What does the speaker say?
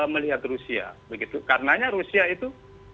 melihat rusia begitu karenanya rusia itu